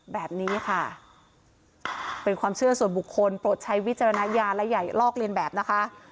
แบบนี้ค่ะเป็นความเชื่อส่วนบุคคลโปรดใช้วิจารณญาณและใหญ่ลอกเลียนแบบนะคะ